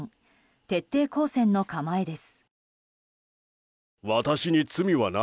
徹底抗戦の構えです。